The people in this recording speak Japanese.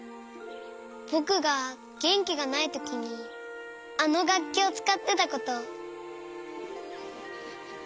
ぼくがげんきがないときにあのがっきをつかってたこと。